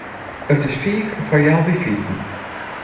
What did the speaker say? It is fiif foar healwei fiven.